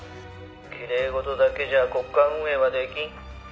「きれい事だけじゃ国家運営はできん」